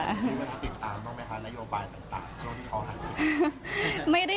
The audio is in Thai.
คุณก็ได้ติดตามบ้างไหมคะระยะบาลต่างโชว์ที่เขาทำสิ่งนี้